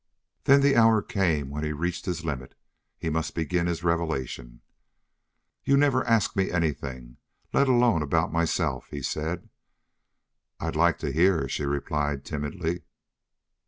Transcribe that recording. Then the hour came when he reached his limit. He must begin his revelation. "You never ask me anything let alone about myself," he said. "I'd like to hear," she replied, timidly.